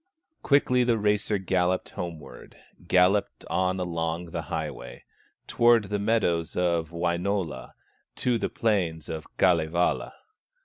Quick the racer galloped homeward, Galloped on along the highway, Toward the meadows of Wainola, To the plains of Kalevala.